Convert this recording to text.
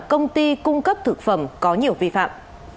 công ty cung cấp thực phẩm có nhiều vi phạm